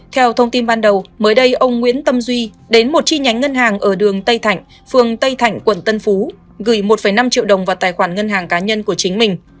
theo thông tin ban đầu mới đây ông nguyễn tâm duy đến một chi nhánh ngân hàng ở đường tây thạnh phường tây thạnh quận tân phú gửi một năm triệu đồng vào tài khoản ngân hàng cá nhân của chính mình